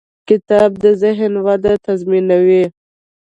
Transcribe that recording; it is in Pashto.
کتاب د ذهن وده تضمینوي.